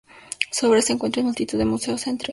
Su obra se encuentra en multitud de museos, entre ellosː